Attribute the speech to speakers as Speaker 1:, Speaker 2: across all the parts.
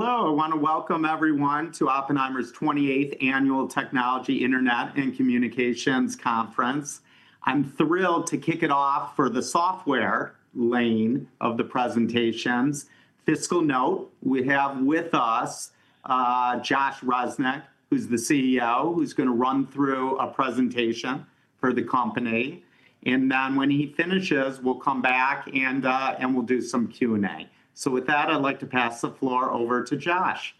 Speaker 1: Hello, I want to welcome everyone to Oppenheimer's 28th Annual Technology, Internet, and Communications Conference. I'm thrilled to kick it off for the software lane of the presentations. FiscalNote, we have with us Josh Resnik, who's the CEO, who's going to run through a presentation for the company. When he finishes, we'll come back and we'll do some Q&A. With that, I'd like to pass the floor over to Josh.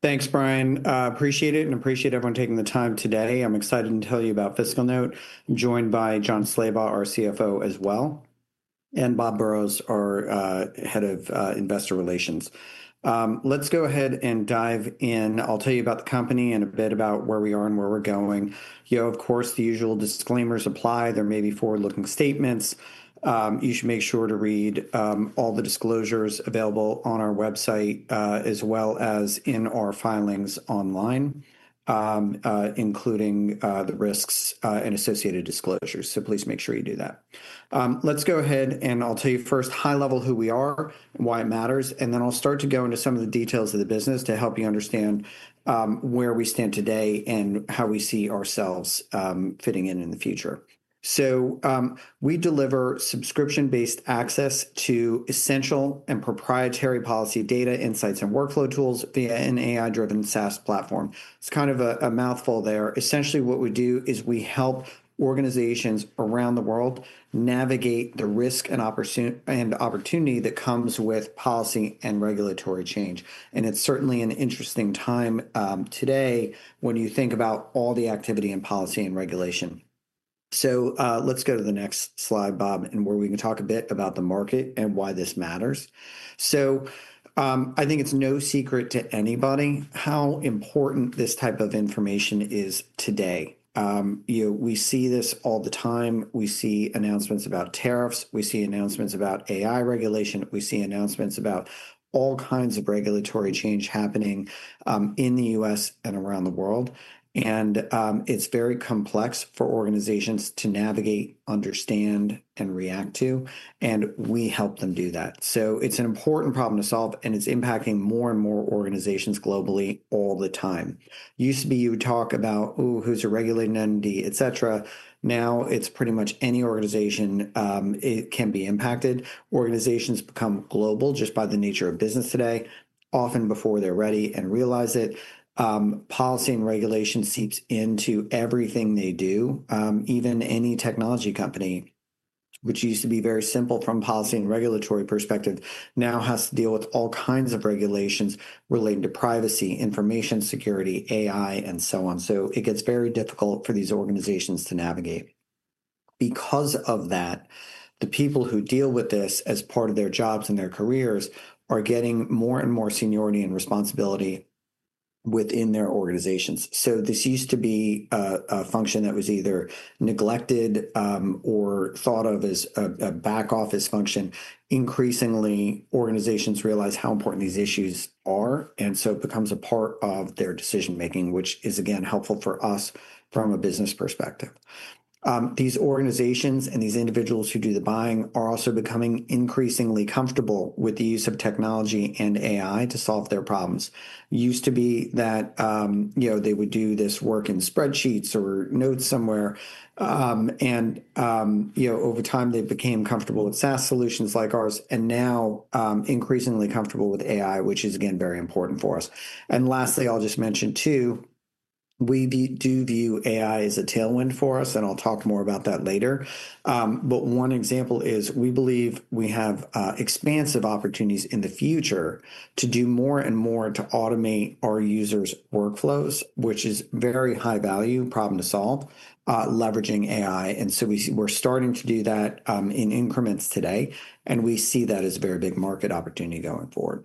Speaker 2: Thanks, Brian. Appreciate it and appreciate everyone taking the time today. I'm excited to tell you about FiscalNote Holdings. I'm joined by Jon Slabaugh, our CFO, as well as Bob Burrows, our Head of Investor Relations. Let's go ahead and dive in. I'll tell you about the company and a bit about where we are and where we're going. Of course, the usual disclaimers apply. There may be forward-looking statements. You should make sure to read all the disclosures available on our website, as well as in our filings online, including the risks and associated disclosures. Please make sure you do that. I'll tell you first high level who we are, why it matters, and then I'll start to go into some of the details of the business to help you understand where we stand today and how we see ourselves fitting in in the future. We deliver subscription-based access to essential and proprietary policy data, insights, and workflow tools via an AI-driven SaaS platform. It's kind of a mouthful there. Essentially, what we do is we help organizations around the world navigate the risk and opportunity that comes with policy and regulatory change. It's certainly an interesting time today when you think about all the activity in policy and regulation. Let's go to the next slide, Bob, where we can talk a bit about the market and why this matters. I think it's no secret to anybody how important this type of information is today. We see this all the time. We see announcements about tariffs. We see announcements about AI regulation. We see announcements about all kinds of regulatory change happening in the U.S. and around the world. It's very complex for organizations to navigate, understand, and react to. We help them do that. It's an important problem to solve, and it's impacting more and more organizations globally all the time. It used to be you would talk about, oh, who's a regulated entity, etc. Now it's pretty much any organization can be impacted. Organizations become global just by the nature of business today, often before they're ready and realize it. Policy and regulation seeps into everything they do. Even any technology company, which used to be very simple from a policy and regulatory perspective, now has to deal with all kinds of regulations relating to privacy, information security, AI, and so on. It gets very difficult for these organizations to navigate. Because of that, the people who deal with this as part of their jobs and their careers are getting more and more seniority and responsibility within their organizations. This used to be a function that was either neglected or thought of as a back-office function. Increasingly, organizations realize how important these issues are, and it becomes a part of their decision-making, which is again helpful for us from a business perspective. These organizations and these individuals who do the buying are also becoming increasingly comfortable with the use of technology and AI to solve their problems. It used to be that they would do this work in spreadsheets or notes somewhere, and over time they became comfortable with SaaS solutions like ours, and now increasingly comfortable with AI, which is again very important for us. Lastly, I'll just mention too, we do view AI as a tailwind for us, and I'll talk more about that later. One example is we believe we have expansive opportunities in the future to do more and more to automate our users' workflows, which is a very high-value problem to solve, leveraging AI. We are starting to do that in increments today, and we see that as a very big market opportunity going forward.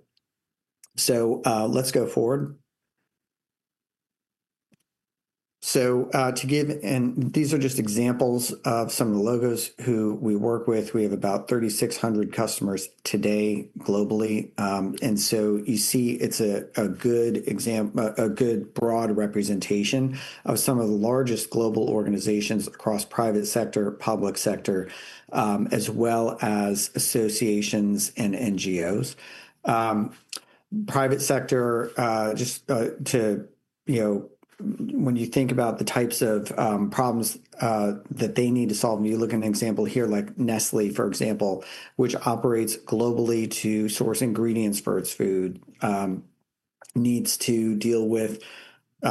Speaker 2: To give, and these are just examples of some of the logos who we work with. We have about 3,600 customers today globally. You see it's a good example, a good broad representation of some of the largest global organizations across private sector, public sector, as well as associations and NGOs. Private sector, just to, when you think about the types of problems that they need to solve, and you look at an example here like Nestlé, for example, which operates globally to source ingredients for its food, needs to deal with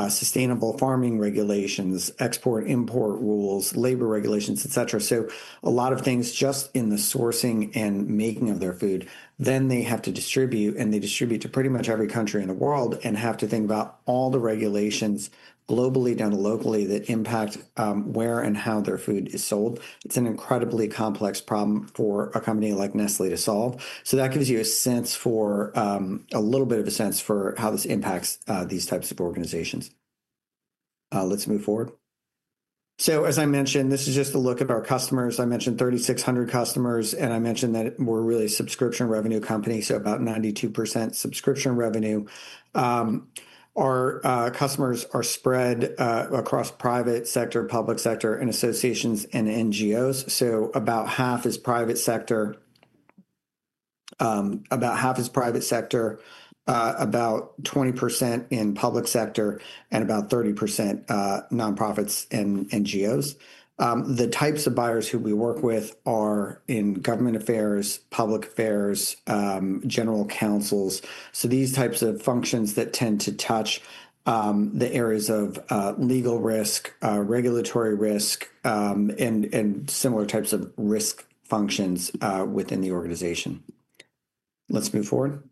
Speaker 2: sustainable farming regulations, export-import rules, labor regulations, et cetera. A lot of things just in the sourcing and making of their food. They have to distribute, and they distribute to pretty much every country in the world and have to think about all the regulations globally down to locally that impact where and how their food is sold. It's an incredibly complex problem for a company like Nestlé to solve. That gives you a little bit of a sense for how this impacts these types of organizations. Let's move forward. As I mentioned, this is just a look at our customers. I mentioned 3,600 customers, and I mentioned that we're really a subscription revenue company, so about 92% subscription revenue. Our customers are spread across private sector, public sector, and associations, and NGOs. About half is private sector, about 20% in public sector, and about 30% nonprofits and NGOs. The types of buyers who we work with are in government affairs, public affairs, general counsels. These types of functions tend to touch the areas of legal risk, regulatory risk, and similar types of risk functions within the organization. Let's move forward.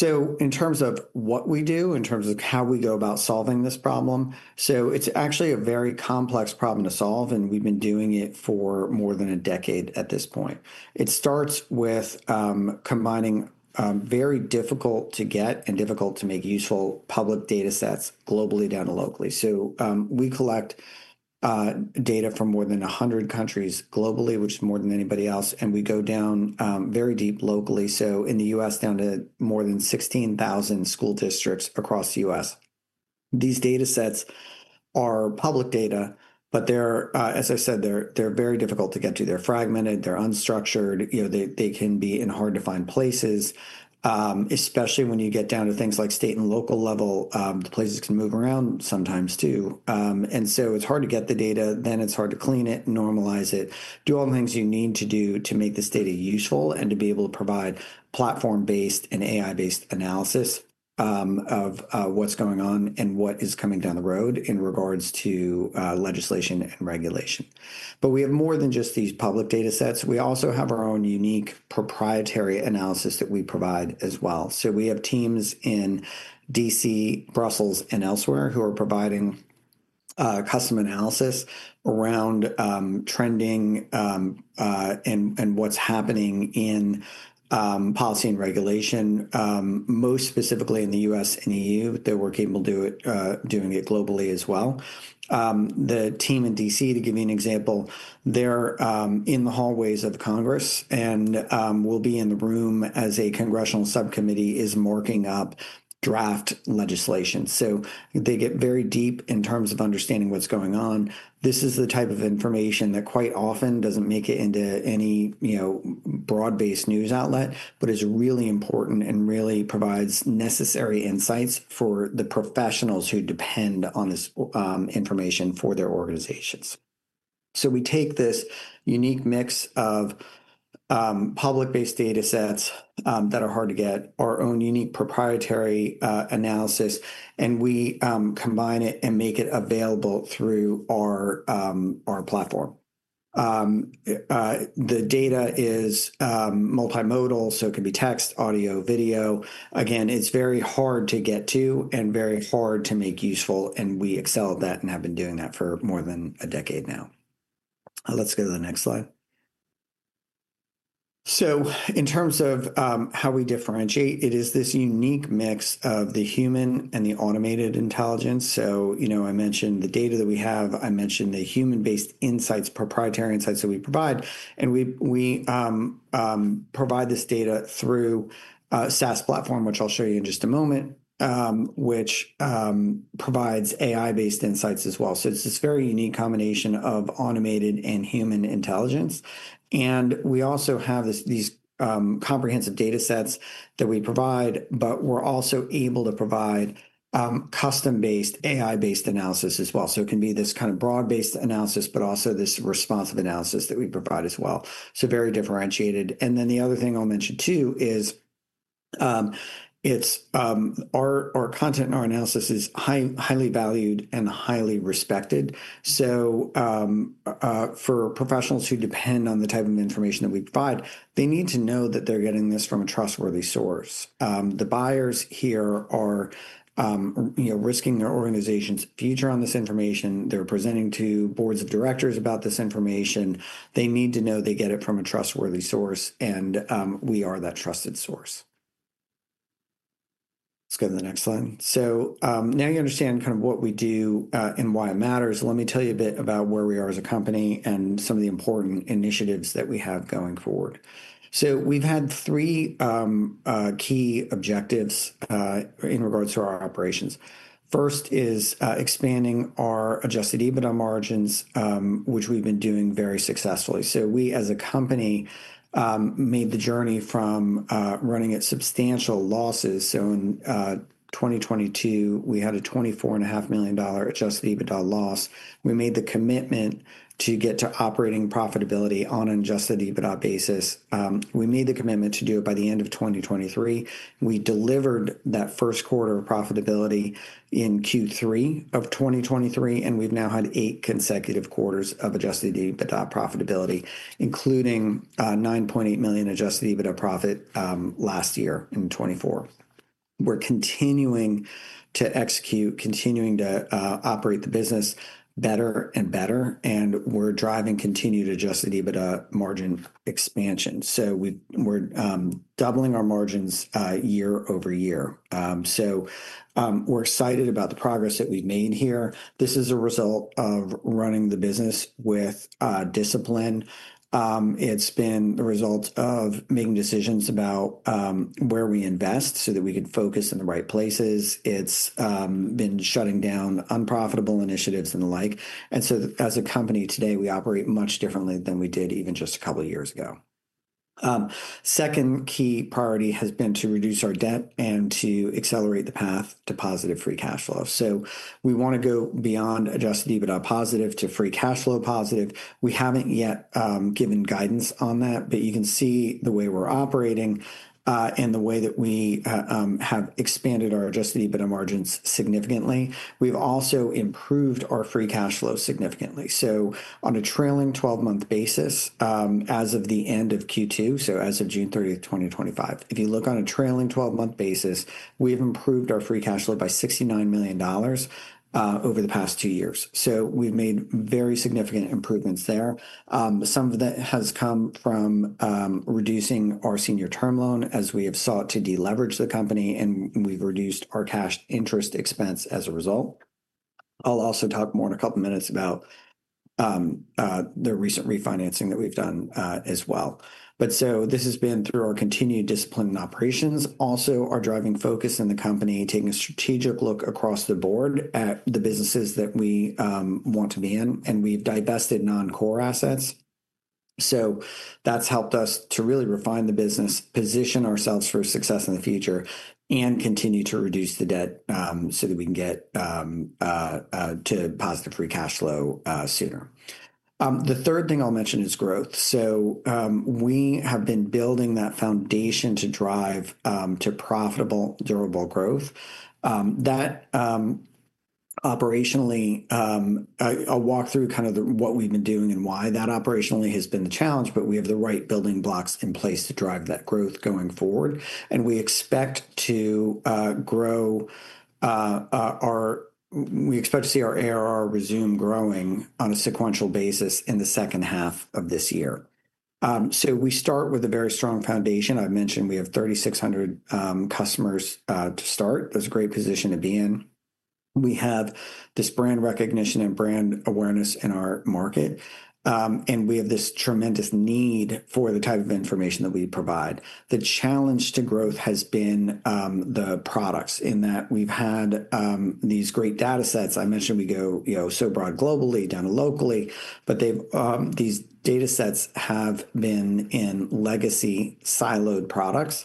Speaker 2: In terms of what we do, in terms of how we go about solving this problem, it's actually a very complex problem to solve, and we've been doing it for more than a decade at this point. It starts with combining very difficult to get and difficult to make useful public data sets globally down to locally. We collect data from more than 100 countries globally, which is more than anybody else, and we go down very deep locally. In the U.S., down to more than 16,000 school districts across the U.S. These data sets are public data, but as I said, they're very difficult to get to. They're fragmented, they're unstructured, they can be in hard-to-find places, especially when you get down to things like state and local level. Places can move around sometimes too. It's hard to get the data, then it's hard to clean it, normalize it, do all the things you need to do to make this data useful and to be able to provide platform-based and AI-based analysis of what's going on and what is coming down the road in regards to legislation and regulation. We have more than just these public data sets. We also have our own unique proprietary analysis that we provide as well. We have teams in Washington, D.C., Brussels, and elsewhere who are providing custom analysis around trending and what's happening in policy and regulation, most specifically in the U.S. and EU. They're working to do it globally as well. The team in Washington, D.C., to give you an example, they're in the hallways of the Congress and will be in the room as a congressional subcommittee is marking up draft legislation. They get very deep in terms of understanding what's going on. This is the type of information that quite often doesn't make it into any broad-based news outlet, but is really important and really provides necessary insights for the professionals who depend on this information for their organizations. We take this unique mix of public-based data sets that are hard to get, our own unique proprietary analysis, and we combine it and make it available through our platform. The data is multimodal, so it can be text, audio, video. It's very hard to get to and very hard to make useful, and we excel at that and have been doing that for more than a decade now. Let's go to the next slide. In terms of how we differentiate, it is this unique mix of the human and the automated intelligence. I mentioned the data that we have, I mentioned the human-based insights, proprietary insights that we provide, and we provide this data through a SaaS platform, which I'll show you in just a moment, which provides AI-based insights as well. It's this very unique combination of automated and human intelligence. We also have these comprehensive data sets that we provide, but we're also able to provide custom-based, AI-based analysis as well. It can be this kind of broad-based analysis, but also this responsive analysis that we provide as well. Very differentiated. The other thing I'll mention too is our content and our analysis is highly valued and highly respected. For professionals who depend on the type of information that we provide, they need to know that they're getting this from a trustworthy source. The buyers here are risking their organization's future on this information. They're presenting to boards of directors about this information. They need to know they get it from a trustworthy source, and we are that trusted source. Let's go to the next slide. Now you understand kind of what we do and why it matters. Let me tell you a bit about where we are as a company and some of the important initiatives that we have going forward. We've had three key objectives in regards to our operations. First is expanding our adjusted EBITDA margins, which we've been doing very successfully. We as a company made the journey from running at substantial losses. In 2022, we had a $24.5 million adjusted EBITDA loss. We made the commitment to get to operating profitability on an adjusted EBITDA basis. We made the commitment to do it by the end of 2023. We delivered that first quarter of profitability in Q3 of 2023, and we've now had eight consecutive quarters of adjusted EBITDA profitability, including $9.8 million adjusted EBITDA profit last year in 2024. We're continuing to execute, continuing to operate the business better and better, and we're driving continued adjusted EBITDA margin expansion. We're doubling our margins year-over-year. We're excited about the progress that we've made here. This is a result of running the business with discipline. It's been the result of making decisions about where we invest so that we can focus in the right places. It's been shutting down unprofitable initiatives and the like. As a company today, we operate much differently than we did even just a couple of years ago. Second key priority has been to reduce our debt and to accelerate the path to positive free cash flow. We want to go beyond adjusted EBITDA positive to free cash flow positive. We haven't yet given guidance on that, but you can see the way we're operating and the way that we have expanded our adjusted EBITDA margins significantly. We've also improved our free cash flow significantly. On a trailing 12-month basis, as of the end of Q2, so as of June 30th, 2025, if you look on a trailing 12-month basis, we've improved our free cash flow by $69 million over the past two years. We've made very significant improvements there. Some of that has come from reducing our senior term loan as we have sought to deleverage the company, and we've reduced our cash interest expense as a result. I'll also talk more in a couple of minutes about the recent refinancing that we've done as well. This has been through our continued discipline and operations. Also, our driving focus in the company, taking a strategic look across the board at the businesses that we want to be in, and we've divested non-core assets. That's helped us to really refine the business, position ourselves for success in the future, and continue to reduce the debt so that we can get to positive free cash flow sooner. The third thing I'll mention is growth. We have been building that foundation to drive to profitable, durable growth. That operationally, I'll walk through kind of what we've been doing and why that operationally has been the challenge, but we have the right building blocks in place to drive that growth going forward. We expect to see our ARR resume growing on a sequential basis in the second half of this year. We start with a very strong foundation. I've mentioned we have 3,600 customers to start. That's a great position to be in. We have this brand recognition and brand awareness in our market, and we have this tremendous need for the type of information that we provide. The challenge to growth has been the products in that we've had these great data sets. I mentioned we go, you know, so broad globally, down to locally, but these data sets have been in legacy siloed products.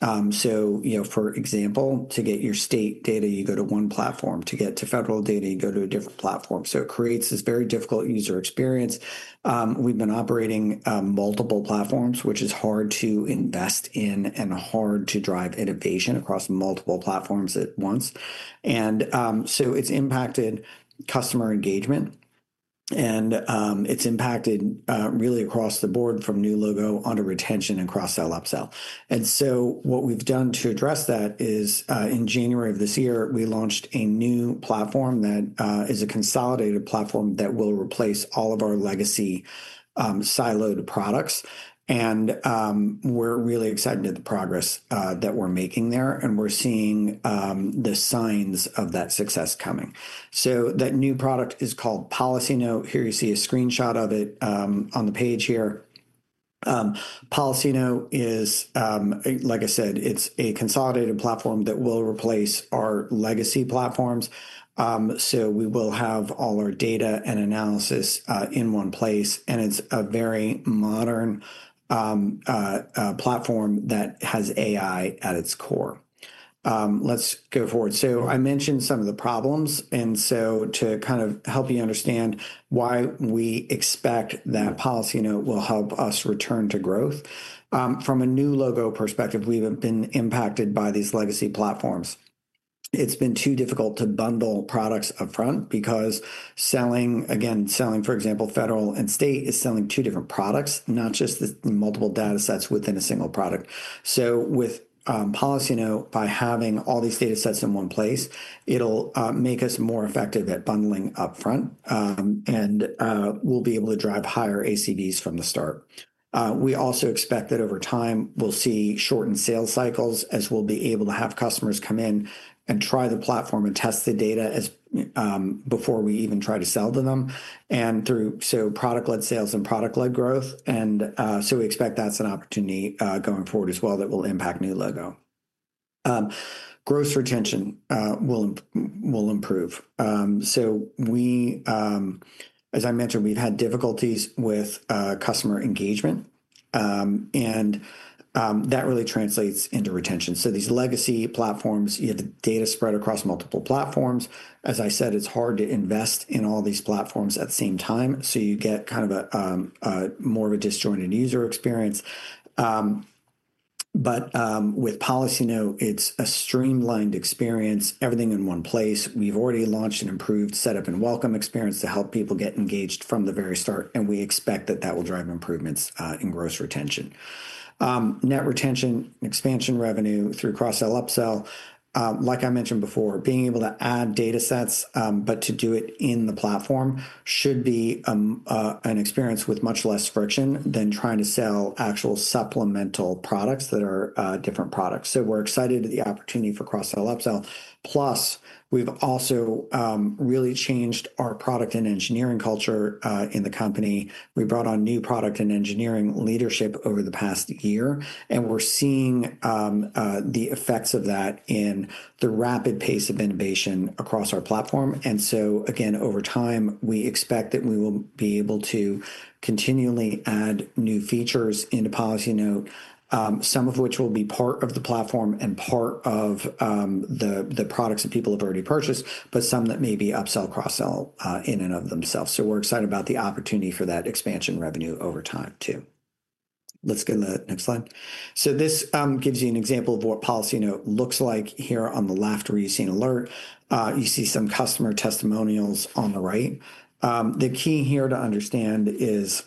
Speaker 2: For example, to get your state data, you go to one platform. To get to federal data, you go to a different platform. It creates this very difficult user experience. We've been operating multiple platforms, which is hard to invest in and hard to drive innovation across multiple platforms at once. It's impacted customer engagement, and it's impacted really across the board from new logo onto retention and cross-sell upsell. What we've done to address that is in January of this year, we launched a new platform that is a consolidated platform that will replace all of our legacy siloed products. We're really excited at the progress that we're making there, and we're seeing the signs of that success coming. That new product is called PolicyNote. Here you see a screenshot of it on the page here. PolicyNote is, like I said, it's a consolidated platform that will replace our legacy platforms. We will have all our data and analysis in one place, and it's a very modern platform that has AI at its core. Let's go forward. I mentioned some of the problems, and to kind of help you understand why we expect that PolicyNote will help us return to growth. From a new logo perspective, we've been impacted by these legacy platforms. It's been too difficult to bundle products upfront because selling, again, selling, for example, federal and state is selling two different products, not just the multiple data sets within a single product. With PolicyNote, by having all these data sets in one place, it'll make us more effective at bundling upfront, and we'll be able to drive higher ACVs from the start. We also expect that over time, we'll see shortened sales cycles as we'll be able to have customers come in and try the platform and test the data before we even try to sell to them. Through product-led sales and product-led growth, we expect that's an opportunity going forward as well that will impact new logo. Gross retention will improve. As I mentioned, we've had difficulties with customer engagement, and that really translates into retention. These legacy platforms have the data spread across multiple platforms. As I said, it's hard to invest in all these platforms at the same time, so you get more of a disjointed user experience. With PolicyNote, it's a streamlined experience, everything in one place. We've already launched an improved setup and welcome experience to help people get engaged from the very start, and we expect that will drive improvements in gross retention. Net retention and expansion revenue through cross-sell upsell, like I mentioned before, being able to add data sets, but to do it in the platform should be an experience with much less friction than trying to sell actual supplemental products that are different products. We're excited at the opportunity for cross-sell upsell. We've also really changed our product and engineering culture in the company. We brought on new product and engineering leadership over the past year, and we're seeing the effects of that in the rapid pace of innovation across our platform. Over time, we expect that we will be able to continually add new features into PolicyNote, some of which will be part of the platform and part of the products that people have already purchased, but some that may be upsell, cross-sell in and of themselves. We're excited about the opportunity for that expansion revenue over time too. Let's go to the next slide. This gives you an example of what PolicyNote looks like here on the left, where you see an alert. You see some customer testimonials on the right. The key here to understand is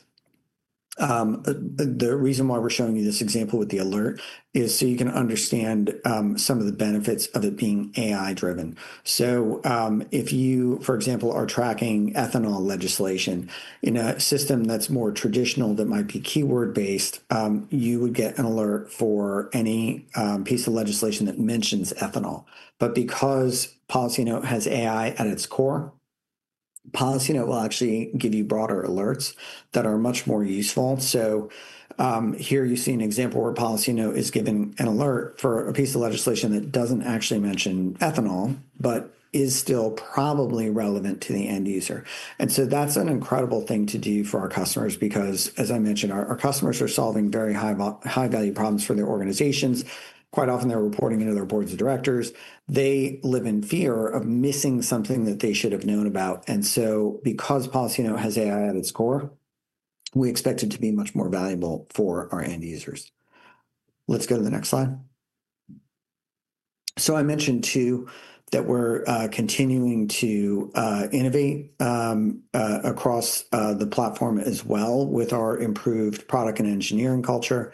Speaker 2: the reason why we're showing you this example with the alert is so you can understand some of the benefits of it being AI-driven. If you, for example, are tracking ethanol legislation in a system that's more traditional that might be keyword-based, you would get an alert for any piece of legislation that mentions ethanol. Because PolicyNote has AI at its core, PolicyNote will actually give you broader alerts that are much more useful. Here you see an example where PolicyNote is giving an alert for a piece of legislation that doesn't actually mention ethanol, but is still probably relevant to the end user. That's an incredible thing to do for our customers because, as I mentioned, our customers are solving very high-value problems for their organizations. Quite often, they're reporting into their boards of directors. They live in fear of missing something that they should have known about. Because PolicyNote has AI at its core, we expect it to be much more valuable for our end users. Let's go to the next slide. I mentioned too that we're continuing to innovate across the platform as well with our improved product and engineering culture.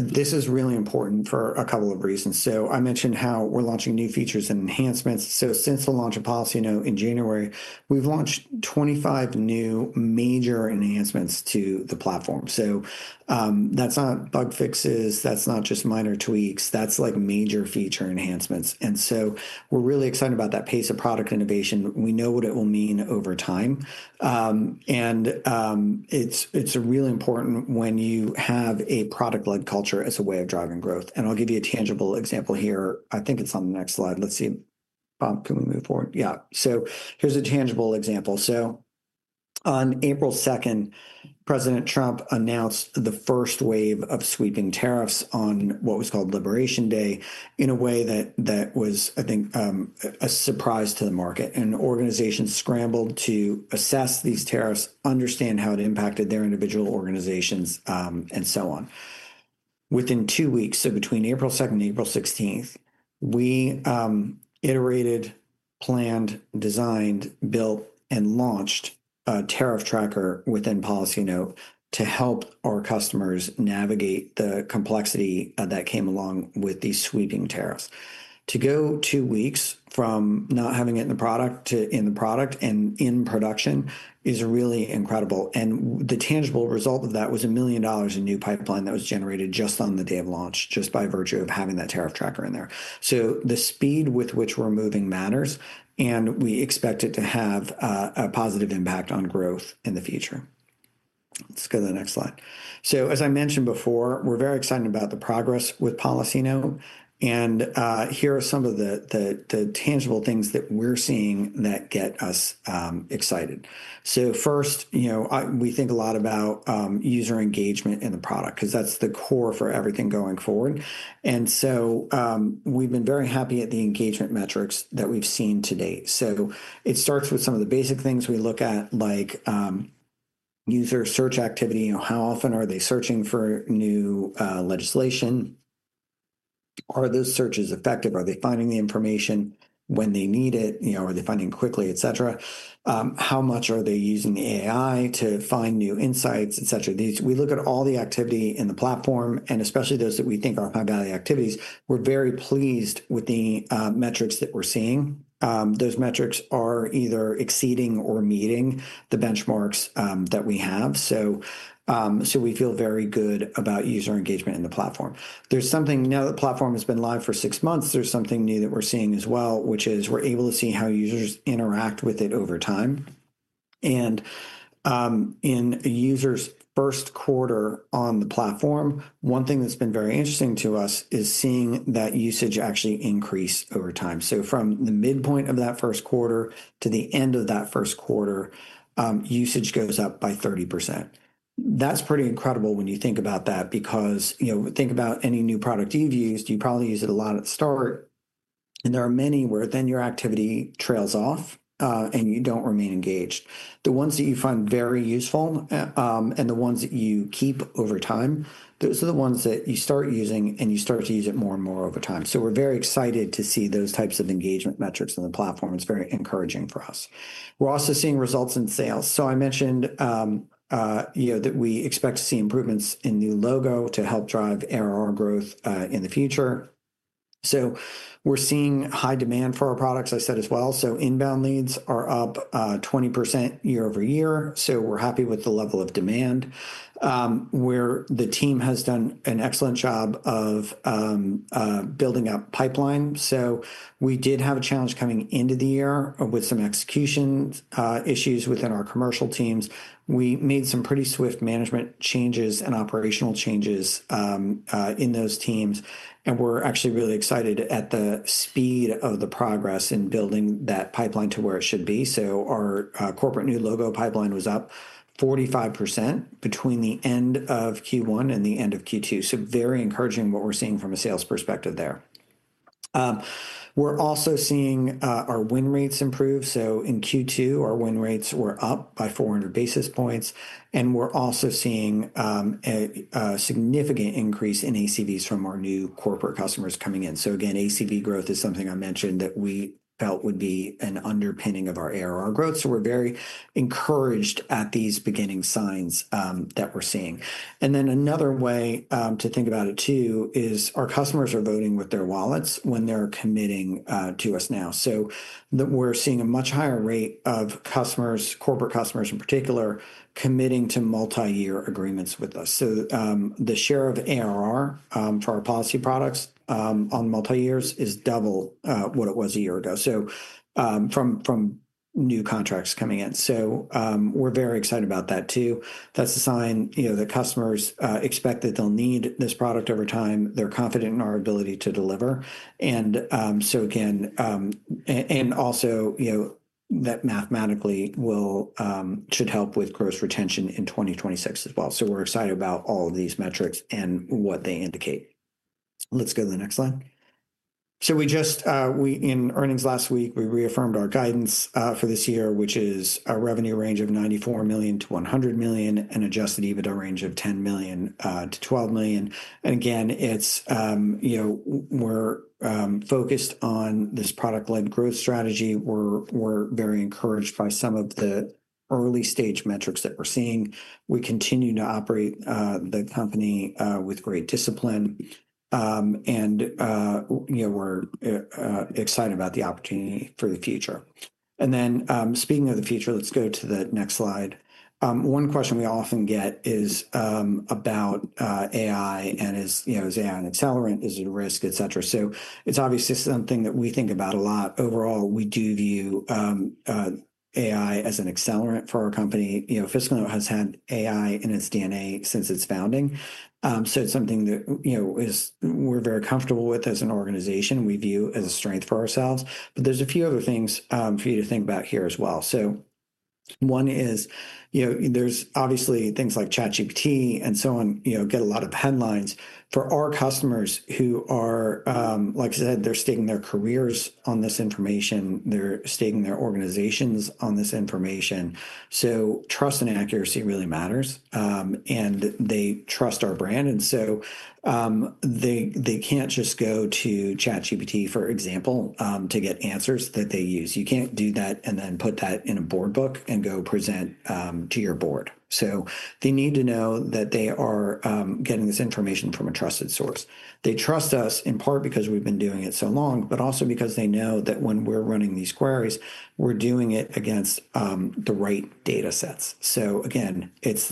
Speaker 2: This is really important for a couple of reasons. I mentioned how we're launching new features and enhancements. Since the launch of PolicyNote in January, we've launched 25 new major enhancements to the platform. That's not bug fixes, that's not just minor tweaks, that's major feature enhancements. We're really excited about that pace of product innovation. We know what it will mean over time. It's really important when you have a product-led culture as a way of driving growth. I'll give you a tangible example here. I think it's on the next slide. Let's see. Can we move forward? Yeah. Here's a tangible example. On April 2nd, President Trump announced the first wave of sweeping tariffs on what was called Liberation Day in a way that was, I think, a surprise to the market. Organizations scrambled to assess these tariffs, understand how it impacted their individual organizations, and so on. Within two weeks, so between April 2nd and April 16th, we iterated, planned, designed, built, and launched a tariff tracker within PolicyNote to help our customers navigate the complexity that came along with these sweeping tariffs. To go two weeks from not having it in the product to in the product and in production is really incredible. The tangible result of that was $1 million in new pipeline that was generated just on the day of launch, just by virtue of having that tariff tracker in there. The speed with which we're moving matters, and we expect it to have a positive impact on growth in the future. Let's go to the next slide. As I mentioned before, we're very excited about the progress with PolicyNote. Here are some of the tangible things that we're seeing that get us excited. First, we think a lot about user engagement in the product because that's the core for everything going forward. We've been very happy at the engagement metrics that we've seen to date. It starts with some of the basic things we look at, like user search activity, how often are they searching for new legislation, are those searches effective, are they finding the information when they need it, are they finding quickly, et cetera. How much are they using AI to find new insights, et cetera. We look at all the activity in the platform, and especially those that we think are high-value activities. We're very pleased with the metrics that we're seeing. Those metrics are either exceeding or meeting the benchmarks that we have. We feel very good about user engagement in the platform. Now that the platform has been live for six months, there's something new that we're seeing as well, which is we're able to see how users interact with it over time. In a user's first quarter on the platform, one thing that's been very interesting to us is seeing that usage actually increase over time. From the midpoint of that first quarter to the end of that first quarter, usage goes up by 30%. That's pretty incredible when you think about that because, you know, think about any new product you've used. You probably use it a lot at the start, and there are many where then your activity trails off and you don't remain engaged. The ones that you find very useful and the ones that you keep over time, those are the ones that you start using and you start to use it more and more over time. We're very excited to see those types of engagement metrics in the platform. It's very encouraging for us. We're also seeing results in sales. I mentioned that we expect to see improvements in new logo to help drive ARR growth in the future. We're seeing high demand for our products, I said as well. Inbound leads are up 20% year-over-year. We're happy with the level of demand. The team has done an excellent job of building up pipeline. We did have a challenge coming into the year with some execution issues within our commercial teams. We made some pretty swift management changes and operational changes in those teams, and we're actually really excited at the speed of the progress in building that pipeline to where it should be. Our corporate new logo pipeline was up 45% between the end of Q1 and the end of Q2. Very encouraging what we're seeing from a sales perspective there. We're also seeing our win rates improve. In Q2, our win rates were up by 400 basis points, and we're also seeing a significant increase in ACVs from our new corporate customers coming in. ACV growth is something I mentioned that we felt would be an underpinning of our ARR growth. We're very encouraged at these beginning signs that we're seeing. Another way to think about it too is our customers are voting with their wallets when they're committing to us now. We're seeing a much higher rate of customers, corporate customers in particular, committing to multi-year agreements with us. The share of ARR for our policy products on multi-years is double what it was a year ago from new contracts coming in. We're very excited about that too. That's a sign that customers expect that they'll need this product over time. They're confident in our ability to deliver. That mathematically should help with gross retention in 2026 as well. We're excited about all of these metrics and what they indicate. Let's go to the next slide. In earnings last week, we reaffirmed our guidance for this year, which is a revenue range of $94 million - $100 million and adjusted EBITDA range of $10 million - $12 million. We're focused on this product-led growth strategy. We're very encouraged by some of the early-stage metrics that we're seeing. We continue to operate the company with great discipline, and we're excited about the opportunity for the future. Speaking of the future, let's go to the next slide. One question we often get is about AI and is AI an accelerant? Is it a risk, et cetera? It's obviously something that we think about a lot. Overall, we do view AI as an accelerant for our company. FiscalNote Holdings has had AI in its DNA since its founding. It's something that we're very comfortable with as an organization. We view as a strength for ourselves. There are a few other things for you to think about here as well. One is, you know, there's obviously things like ChatGPT and so on, you know, get a lot of headlines. For our customers who are, like I said, they're staking their careers on this information. They're staking their organizations on this information. Trust and accuracy really matters, and they trust our brand. They can't just go to ChatGPT, for example, to get answers that they use. You can't do that and then put that in a board book and go present to your board. They need to know that they are getting this information from a trusted source. They trust us in part because we've been doing it so long, but also because they know that when we're running these queries, we're doing it against the right data sets. Again, it's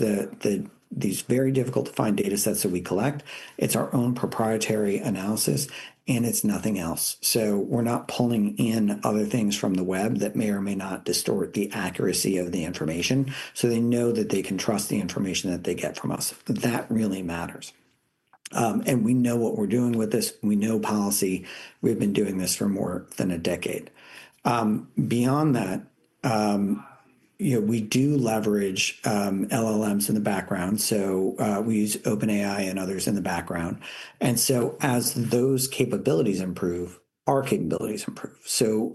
Speaker 2: these very difficult to find data sets that we collect. It's our own proprietary analysis, and it's nothing else. We're not pulling in other things from the web that may or may not distort the accuracy of the information. They know that they can trust the information that they get from us. That really matters. We know what we're doing with this. We know policy. We've been doing this for more than a decade. Beyond that, we do leverage LLMs in the background. We use OpenAI and others in the background. As those capabilities improve, our capabilities improve.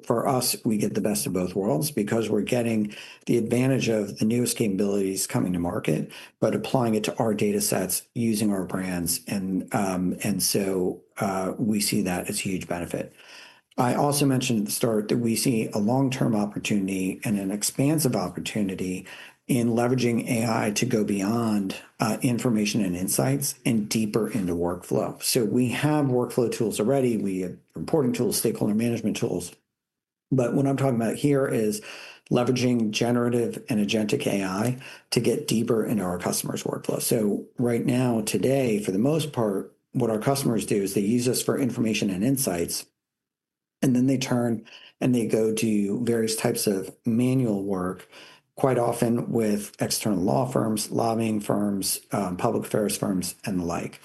Speaker 2: For us, we get the best of both worlds because we're getting the advantage of the newest capabilities coming to market, but applying it to our data sets using our brands. We see that as a huge benefit. I also mentioned at the start that we see a long-term opportunity and an expansive opportunity in leveraging AI to go beyond information and insights and deeper into workflow. We have workflow tools already. We have reporting tools, stakeholder management tools. What I'm talking about here is leveraging generative and agentic AI to get deeper into our customers' workflow. Right now, today, for the most part, what our customers do is they use us for information and insights, and then they turn and they go do various types of manual work, quite often with external law firms, lobbying firms, public affairs firms, and the like.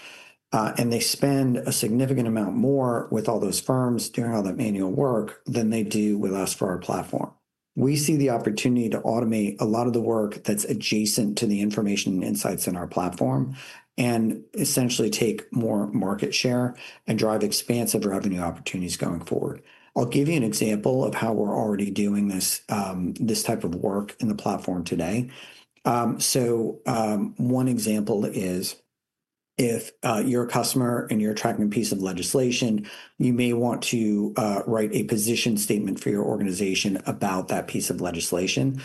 Speaker 2: They spend a significant amount more with all those firms doing all that manual work than they do with us for our platform. We see the opportunity to automate a lot of the work that's adjacent to the information and insights in our platform and essentially take more market share and drive expansive revenue opportunities going forward. I'll give you an example of how we're already doing this type of work in the platform today. One example is if you're a customer and you're tracking a piece of legislation, you may want to write a position statement for your organization about that piece of legislation.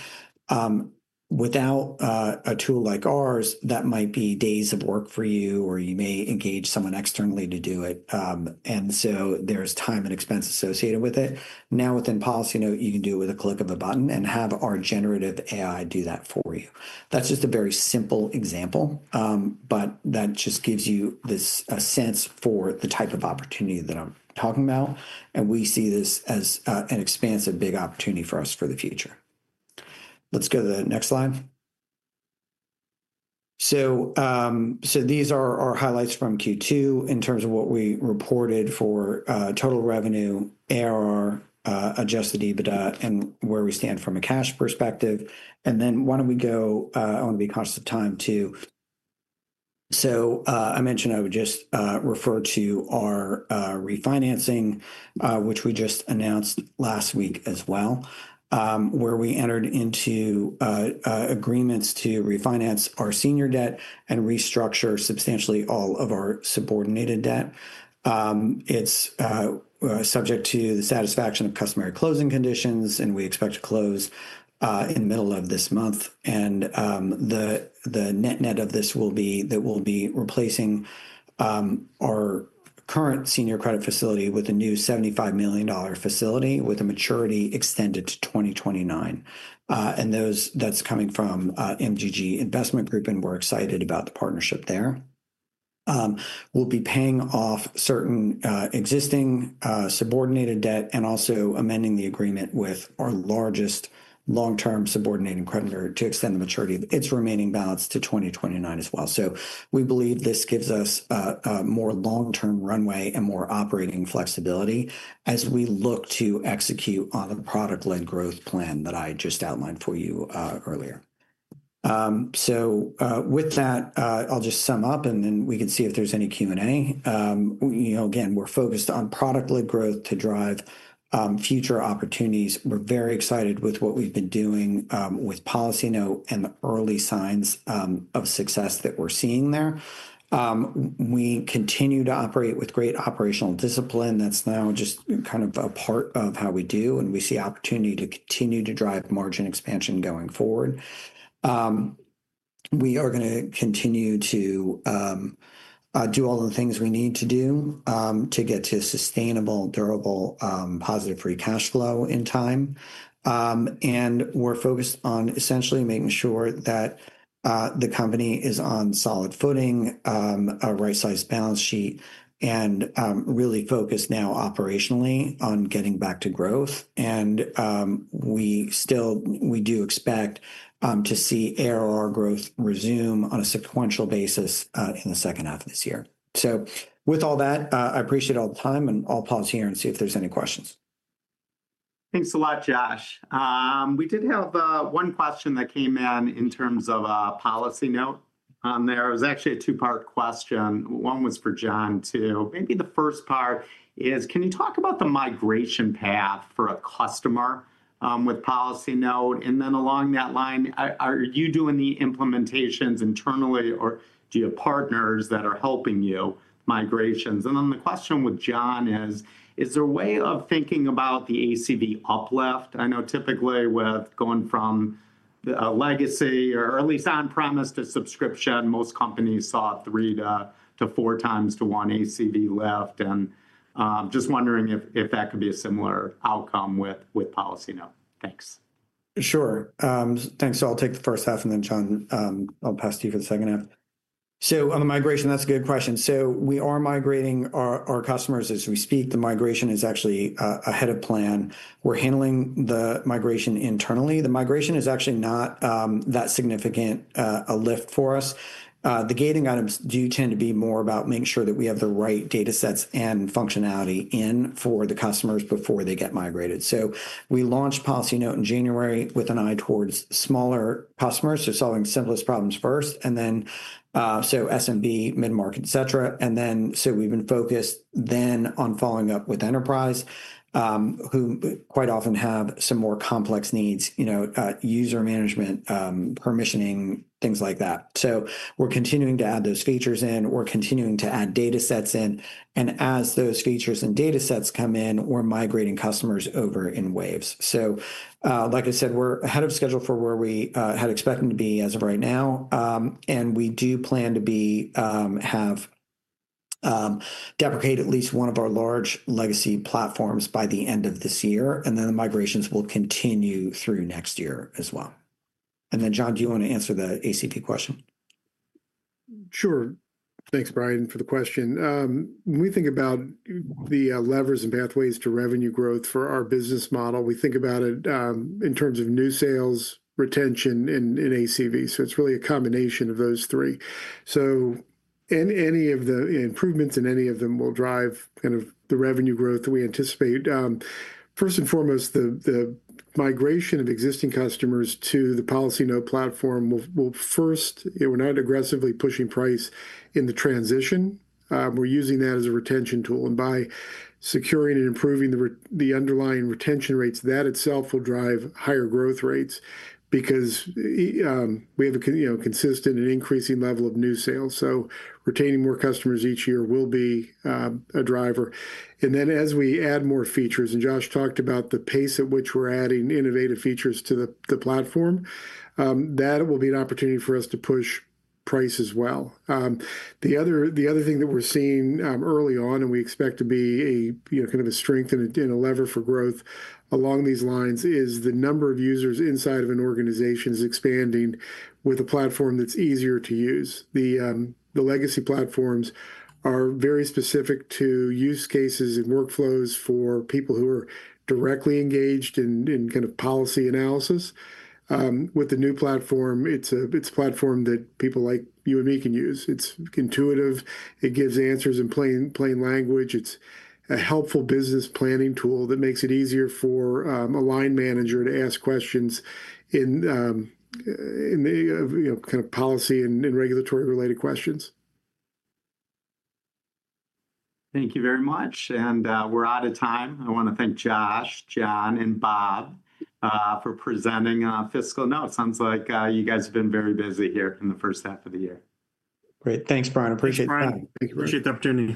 Speaker 2: Without a tool like ours, that might be days of work for you, or you may engage someone externally to do it. There is time and expense associated with it. Now, within PolicyNote, you can do it with a click of a button and have our generative AI do that for you. That's just a very simple example, but that just gives you a sense for the type of opportunity that I'm talking about. We see this as an expansive big opportunity for us for the future. Let's go to the next slide. These are our highlights from Q2 in terms of what we reported for total revenue, ARR, adjusted EBITDA, and where we stand from a cash perspective. I want to be cautious of time too. I mentioned I would just refer to our refinancing, which we just announced last week as well, where we entered into agreements to refinance our senior debt and restructure substantially all of our subordinated debt. It's subject to the satisfaction of customary closing conditions, and we expect to close in the middle of this month. The net net of this will be that we'll be replacing our current senior credit facility with a new $75 million facility with a maturity extended to 2029. That's coming from MGG Investment Group, and we're excited about the partnership there. We'll be paying off certain existing subordinated debt and also amending the agreement with our largest long-term subordinating creditor to extend the maturity of its remaining balance to 2029 as well. We believe this gives us more long-term runway and more operating flexibility as we look to execute on the product-led growth plan that I just outlined for you earlier. With that, I'll just sum up, and then we can see if there's any Q&A. Again, we're focused on product-led growth to drive future opportunities. We're very excited with what we've been doing with PolicyNote and the early signs of success that we're seeing there. We continue to operate with great operational discipline. That's now just kind of a part of how we do, and we see opportunity to continue to drive margin expansion going forward. We are going to continue to do all the things we need to do to get to a sustainable, durable, positive free cash flow in time. We're focused on essentially making sure that the company is on solid footing, a right-sized balance sheet, and really focused now operationally on getting back to growth. We do expect to see ARR growth resume on a sequential basis in the second half of this year. With all that, I appreciate all the time, and I'll pause here and see if there's any questions.
Speaker 1: Thanks a lot, Josh. We did have one question that came in in terms of PolicyNote on there. It was actually a two-part question. One was for Jon too. Maybe the first part is, can you talk about the migration path for a customer with PolicyNote? Along that line, are you doing the implementations internally, or do you have partners that are helping you with migrations? The question with Jon is, is there a way of thinking about the ACV uplift? I know typically with going from the legacy or at least on-premise to subscription, most companies saw three to four times to one ACV lift. I'm just wondering if that could be a similar outcome with PolicyNote. Thanks.
Speaker 2: Sure. Thanks. I'll take the first half, and then Jon, I'll pass to you for the second half. On the migration, that's a good question. We are migrating our customers as we speak. The migration is actually ahead of plan. We're handling the migration internally. The migration is actually not that significant a lift for us. The gating items do tend to be more about making sure that we have the right data sets and functionality in for the customers before they get migrated. We launched PolicyNote in January with an eye towards smaller customers. They're solving the simplest problems first, SMB, mid-market, et cetera. We've been focused then on following up with enterprise, who quite often have some more complex needs, you know, user management, permissioning, things like that. We're continuing to add those features in. We're continuing to add data sets in. As those features and data sets come in, we're migrating customers over in waves. Like I said, we're ahead of schedule for where we had expected to be as of right now. We do plan to deprecate at least one of our large legacy platforms by the end of this year. The migrations will continue through next year as well. Jon, do you want to answer the ACV question?
Speaker 3: Sure. Thanks, Brian, for the question. When we think about the levers and pathways to revenue growth for our business model, we think about it in terms of new sales, retention, and ACV. It's really a combination of those three. Any of the improvements in any of them will drive kind of the revenue growth that we anticipate. First and foremost, the migration of existing customers to the PolicyNote platform will, first, we're not aggressively pushing price in the transition. We're using that as a retention tool. By securing and improving the underlying retention rates, that itself will drive higher growth rates because we have a consistent and increasing level of new sales. Retaining more customers each year will be a driver. As we add more features, and Josh talked about the pace at which we're adding innovative features to the platform, that will be an opportunity for us to push price as well. The other thing that we're seeing early on, and we expect to be a kind of a strength and a lever for growth along these lines, is the number of users inside of an organization is expanding with a platform that's easier to use. The legacy platforms are very specific to use cases and workflows for people who are directly engaged in kind of policy analysis. With the new platform, it's a platform that people like you and me can use. It's intuitive. It gives answers in plain language. It's a helpful business planning tool that makes it easier for a line manager to ask questions in kind of policy and regulatory-related questions.
Speaker 1: Thank you very much. We're out of time. I want to thank Josh, Jon, and Bob for presenting FiscalNote. Sounds like you guys have been very busy here in the first half of the year.
Speaker 2: Great. Thanks, Brian. I appreciate the time.
Speaker 3: Thank you, Brian. Appreciate the opportunity.